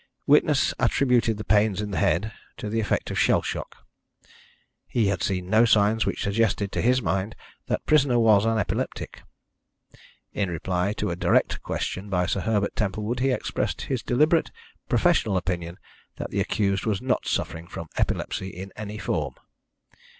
Witness attributed the pains in the head to the effect of shell shock. He had seen no signs which suggested, to his mind, that prisoner was an epileptic. In reply to a direct question by Sir Herbert Templewood, he expressed his deliberate professional opinion that the accused was not suffering from epilepsy in any form.